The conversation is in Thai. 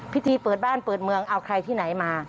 พิธีเปิดบ้านเปิดเมืองเอาใครที่ไหนมา